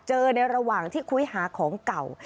ในระหว่างที่คุยหาของเก่า